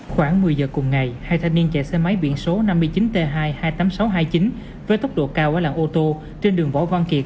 khoảng một mươi giờ cùng ngày hai thanh niên chạy xe máy biển số năm mươi chín t hai hai mươi tám nghìn sáu trăm hai mươi chín với tốc độ cao ở làng ô tô trên đường võ văn kiệt